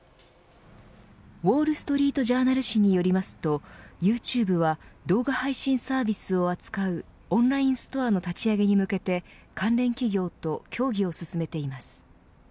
ウォールストリート・ジャーナル紙によりますとユーチューブは動画配信サービスを扱うオンラインストアの立ち上げに向けて関連企業と協議を進めています。